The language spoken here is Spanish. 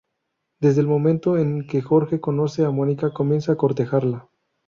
Desde el momento en que Jorge conoce a Monica comienza a cortejarla.